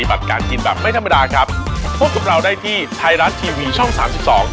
รอเรือเอ่อโรค